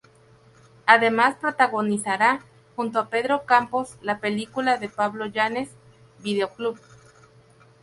Además protagonizará junto a Pedro Campos la película de Pablo Illanes, "Videoclub".